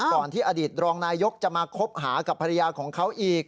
ก่อนที่อดีตรองนายกจะมาคบหากับภรรยาของเขาอีก